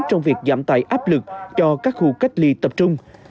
trong việc giảm tài áp lực cho các khu cách ly tập trung